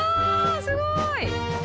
すごい。